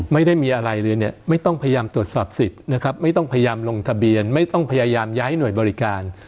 ไม่ได้มีอะไรเลยเนี่ยไม่ต้องพยายามตรวจสอบสิทธิ์นะครับไม่ต้องพยายามลงทะเบียนไม่ต้องพยายามย้ายหน่วยบริการ